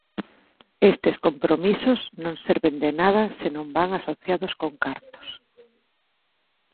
Estes compromisos non serven de nada se non van asociados con cartos.